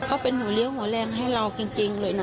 เขาเป็นหัวเลี้ยวหัวแรงให้เราจริงเลยนะ